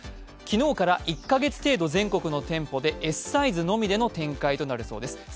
昨日から１カ月程度、全国の店舗でＳサイズのみの展開となるそうです。